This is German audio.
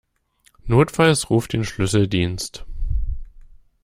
Notfalls ruf den Schlüsseldienst.